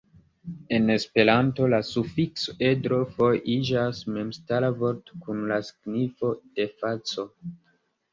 En Esperanto, la sufikso "edro" foje iĝas memstara vorto kun la signifo de faco.